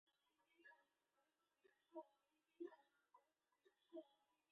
该站因其西边的巩华城而得名。